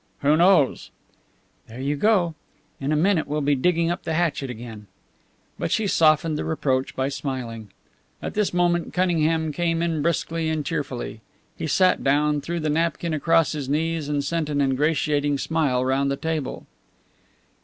"Who knows?" "There you go! In a minute we'll be digging up the hatchet again." But she softened the reproach by smiling. At this moment Cunningham came in briskly and cheerfully. He sat down, threw the napkin across his knees, and sent an ingratiating smile round the table.